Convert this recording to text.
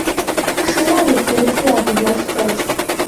Шыуэ зытесри адыгэш лъэчт.